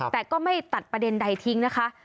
แต่ก็ไม่ตัดประเด็นใดทิ้งนะคะ